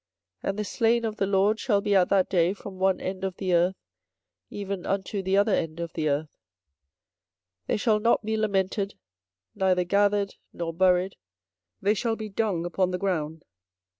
24:025:033 And the slain of the LORD shall be at that day from one end of the earth even unto the other end of the earth: they shall not be lamented, neither gathered, nor buried; they shall be dung upon the ground.